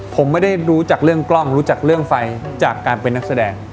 ผมไม่ได้รู้จักเรื่องกล้องรู้จักเรื่องไฟจากการเป็นนักแสดง